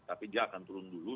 tapi dia akan turun dulu